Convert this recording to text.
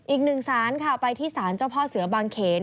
อีกหนึ่งศาลค่ะไปที่ศาลเจ้าพ่อเสือบางเขน